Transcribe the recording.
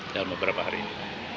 dalam beberapa hari ini